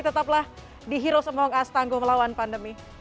tetaplah di heroes of hong kong astanggo melawan pandemi